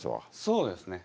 そうですね。